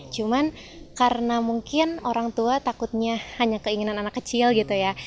cuman karena mungkin orang tua takutnya hanya keinginan anak kecil gitu ya